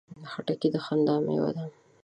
خټکی د خندا مېوه ده.